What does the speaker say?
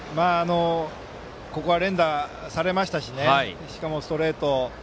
ここは連打されましたししかもストレート。